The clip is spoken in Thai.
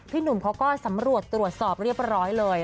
หนุ่มเขาก็สำรวจตรวจสอบเรียบร้อยเลย